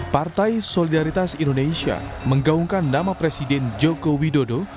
partai solidaritas indonesia menggaungkan nama presiden joko widodo